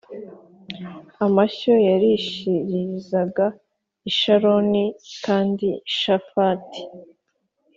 w amashyo yarishirizaga i Sharoni kandi Shafati